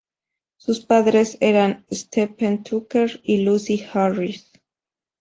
Sus padres eran Stephen Tucker y Lucy Harris.